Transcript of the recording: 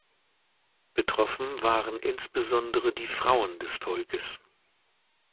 Betroffen waren insbesondere die Frauen des Volkes.